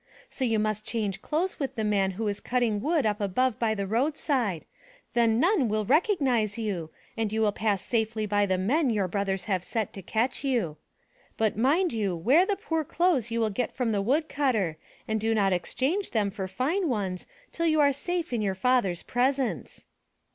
So you must change clothes with the man who is cutting wood up above by the roadside, then none will recognize you and you will pass safely by the men your brothers have set to catch you. But mind you wear the poor clothes you will get from the woodcutter, and do not exchange them for fine ones till you are safe in your father^s presence.'